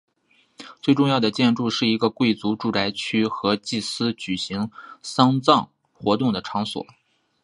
最重要的建筑是一个贵族住宅区和祭司举行丧葬活动的场所。